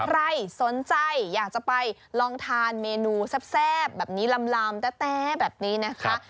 ใครสนใจอยากจะไปลองทานเมนูแซ่บแบบนี้ลำแต๊แบบนี้นะคะ